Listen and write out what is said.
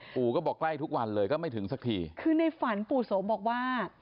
ปู่ก็บอกใกล้ทุกวันเลยก็ไม่ถึงสักทีคือในฝันปู่โสมบอกว่า